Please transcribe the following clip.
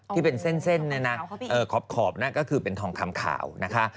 ที่เป็นเส้นเนี่ยนะขอบนั่นก็คือเป็นทองคำขาวนะคะ